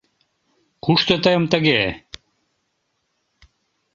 Кушто тыйым тыге?